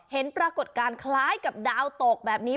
ปรากฏการณ์คล้ายกับดาวตกแบบนี้